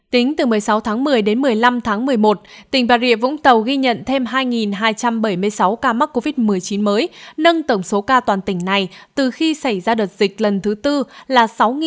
tính từ một mươi sáu tháng một mươi đến một mươi năm tháng một mươi một tỉnh bà rịa vũng tàu ghi nhận thêm hai hai trăm bảy mươi sáu ca mắc covid một mươi chín mới nâng tổng số ca toàn tỉnh này từ khi xảy ra đợt dịch lần thứ tư là sáu ca